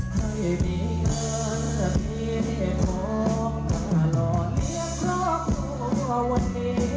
ให้มีเงินระเบียบของเขาเราเลียงครอบครัววันนี้